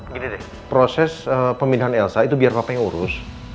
begini deh proses pemindahan elsa itu biar bapak yang urus